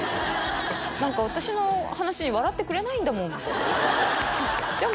何か私の話に笑ってくれないんだもんじゃあ